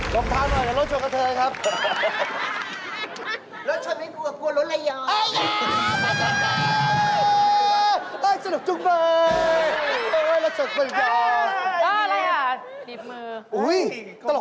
ลงทางหน่อยเรารถชวนกับเธอครับ